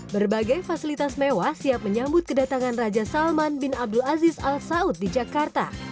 berbagai fasilitas mewah siap menyambut kedatangan raja salman bin abdul aziz al saud di jakarta